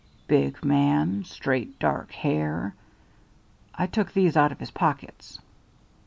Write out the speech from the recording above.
"Big man straight dark hair. I took these out of his pockets."